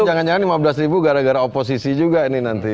jangan jangan lima belas ribu gara gara oposisi juga ini nanti